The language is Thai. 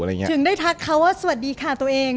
ถึงได้ทักเขาว่าสวัสดีค่ะตัวเอง